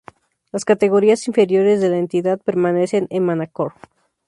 Las categorías inferiores de la entidad permanecen en Manacor.